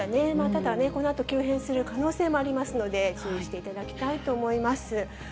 ただこのあと急変する可能性もありますので、注意していただきたいと思います。